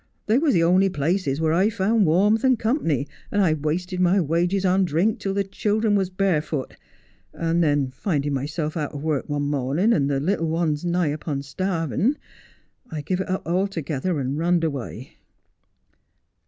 They was the only places where I found warmth and company, and I wasted my wages on drink till the children was barefoot, and then, finding myself out of work one morning, and the little ones nigh upon starving, I give it up altogether and runned away.'